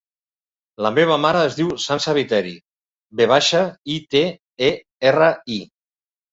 La meva mare es diu Sança Viteri: ve baixa, i, te, e, erra, i.